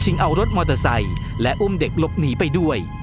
เอารถมอเตอร์ไซค์และอุ้มเด็กหลบหนีไปด้วย